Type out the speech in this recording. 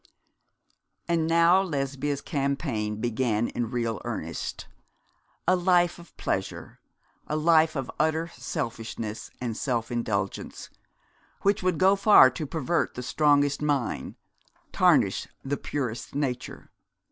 And now Lesbia's campaign began in real earnest a life of pleasure, a life of utter selfishness and self indulgence, which would go far to pervert the strongest mind, tarnish the purest nature.